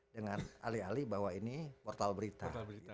dengan alih alih bahwa ini portal berita